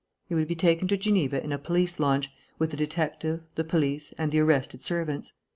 He would be taken to Geneva in a police launch, with the detective, the police, and the arrested servants.